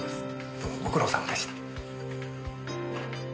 どうもご苦労さまでした。